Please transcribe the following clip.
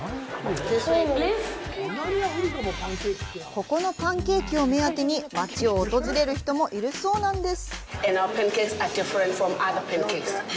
ここのパンケーキを目当てに街を訪れる人もいるそうなんです。